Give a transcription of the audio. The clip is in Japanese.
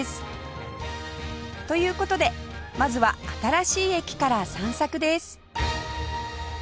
という事でまずは新しい駅から散策です